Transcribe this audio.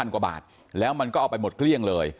๓๐๐๐กว่าบาทแล้วมันก็ออกไปหมดเครี่ยงเลย